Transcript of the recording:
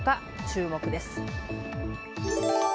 注目です。